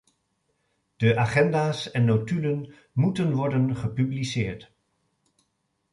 De agenda’s en notulen moeten worden gepubliceerd.